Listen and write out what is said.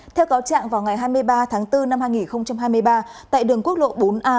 theo cáo trạng vào ngày hai mươi ba tháng bốn năm hai nghìn hai mươi ba tại đường quốc lộ bốn a